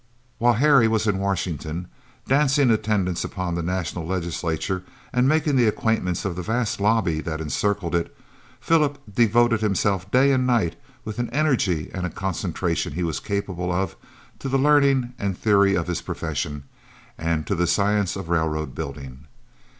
While Harry was in Washington dancing attendance upon the national legislature and making the acquaintance of the vast lobby that encircled it, Philip devoted himself day and night, with an energy and a concentration he was capable of, to the learning and theory of his profession, and to the science of railroad building.